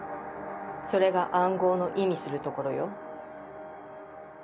それが暗号の意味するところよ。